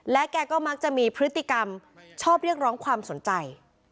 แกก็มักจะมีพฤติกรรมชอบเรียกร้องความสนใจ